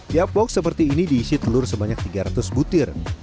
tiap box seperti ini diisi telur sebanyak tiga ratus butir